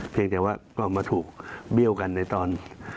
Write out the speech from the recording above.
เพียงแต่ว่าก็มาถูกเบี้ยวกันในตอน